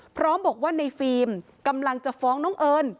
พร้อมบอกว่าในฟิล์มกำลังจะฟ้องน้องเอิญ